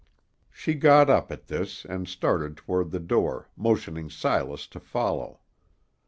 She got up at this, and started toward the door, motioning Silas to follow.